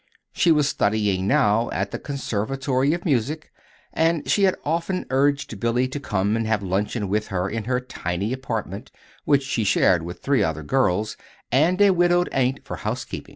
She was studying now at the Conservatory of Music; and she had often urged Billy to come and have luncheon with her in her tiny apartment, which she shared with three other girls and a widowed aunt for housekeeper.